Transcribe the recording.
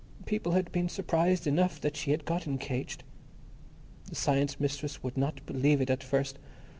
People had been surprised enough that she had got engaged. The Science Mistress would not believe it at first.